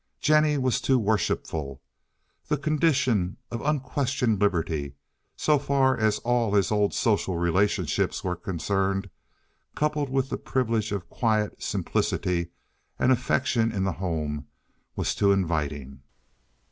Jennie was too worshipful. The condition of unquestioned liberty, so far as all his old social relationships were concerned, coupled with the privilege of quiet, simplicity, and affection in the home was too inviting.